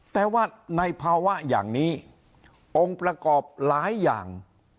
แต่ว่าในภาวะอย่างนี้องค์ประกอบหลายอย่าง